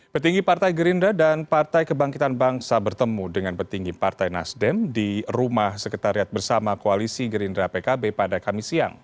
petinggi partai gerindra dan partai kebangkitan bangsa bertemu dengan petinggi partai nasdem di rumah sekretariat bersama koalisi gerindra pkb pada kamis siang